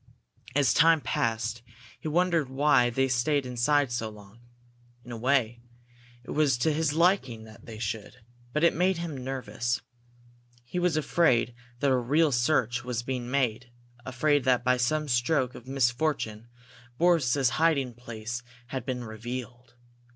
As time passed, he wondered why they stayed inside so long. In a way, it was to his liking that they should, but it made him nervous. He was afraid that a real search was being made; afraid that, by some stroke of misfortune, Boris's hiding place had been revealed.